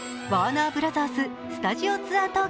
ワーナーブラザーズスタジオツアー